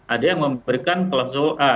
ada yang memberikan klausul a